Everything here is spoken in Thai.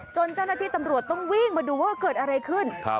เจ้าหน้าที่ตำรวจต้องวิ่งมาดูว่าเกิดอะไรขึ้น